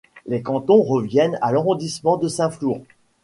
Les cantons reviennent à l'arrondissement de Saint-Flour.